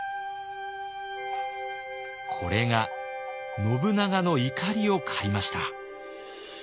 これが信長の怒りを買いました。